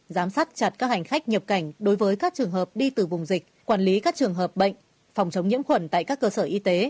giám sát chặt các hành khách nhập cảnh đối với các trường hợp đi từ vùng dịch quản lý các trường hợp bệnh phòng chống nhiễm khuẩn tại các cơ sở y tế